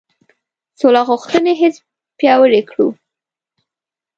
سوله غوښتنې حس پیاوړی کړو.